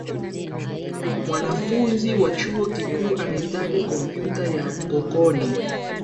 Mwanafunzi wa chuo kikuu anahitaji kompyuta ya mkokoni.